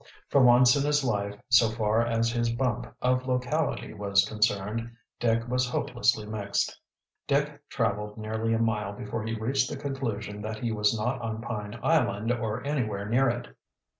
For once in his life, so far as his bump of locality was concerned, Dick was hopelessly mixed. Dick traveled nearly a mile before he reached the conclusion that he was not on Pine Island or anywhere near it.